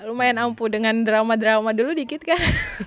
lumayan ampuh dengan drama drama dulu dikit kan